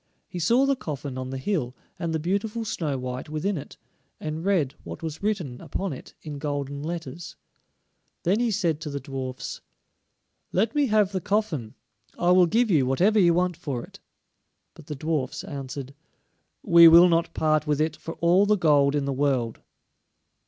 He saw the coffin on the hill, and the beautiful Snow white within it, and read what was written upon it in golden letters. Then he said to the dwarfs: "Let me have the coffin, I will give you whatever you want for it." But the dwarfs answered: "We will not part with it for all the gold in the world."